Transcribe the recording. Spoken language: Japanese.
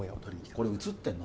これ写ってんの？